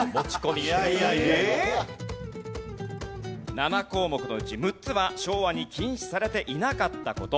７項目のうち６つは昭和に禁止されていなかった事。